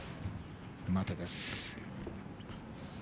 待てです。